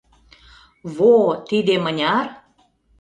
— «Во» — тиде мыняр?